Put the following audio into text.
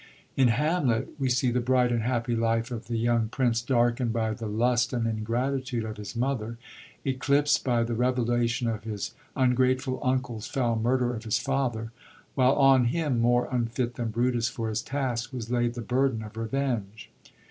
In Hamlet we see the bright and happy life of the young prince darkend by the lust and ingratitude of his mother, eclipst by the revelation of his ungrateful uncle's foul murder of his father ; while on him, more unfit than Brutus for his task, was laid the burden of revenge.